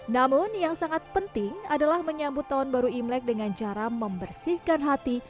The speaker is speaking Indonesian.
namun yang sangat penting adalah menyambut tahun baru imlek dengan cara membersihkan hati